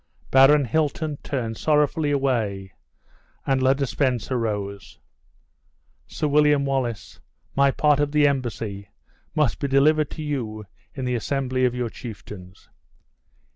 Baron Hilton turned sorrowfully away, and Le de Spencer rose. "Sir William Wallace, my part of the embassy must be delivered to you in the assembly of your chieftains."